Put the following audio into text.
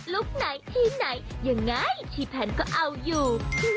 คไหนที่ไหนยังไงที่แพนก็เอาอยู่